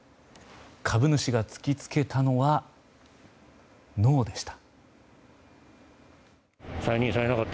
株主が突き付けたのはノーでした。